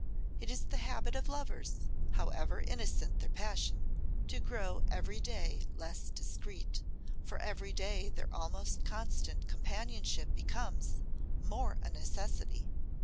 It is the habit of lovers, however innocent their passion, to grow every day less discreet; for every day their almost constant companionship becomes more a necessity.